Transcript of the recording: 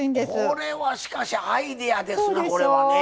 これはしかしアイデアですなこれはね。